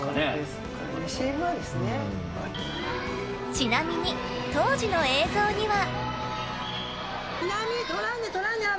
ちなみに、当時の映像には。